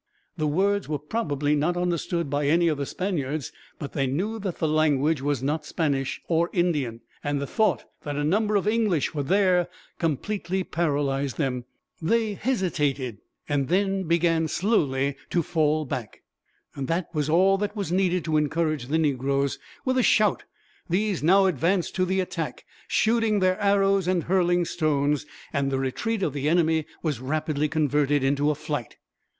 The words were probably not understood by any of the Spaniards, but they knew that the language was not Spanish or Indian; and the thought that a number of English were there completely paralyzed them. They hesitated, and then began slowly to fall back. This was all that was needed to encourage the negroes. With a shout, these now advanced to the attack, shooting their arrows and hurling stones, and the retreat of the enemy was rapidly converted into a flight.